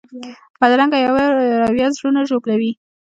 بدرنګه رویه زړونه ژوبلوي